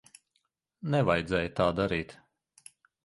Nevajadzēja tā darīt.